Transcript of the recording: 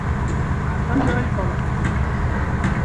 Amek ara yeffeɣ leḥkem-is.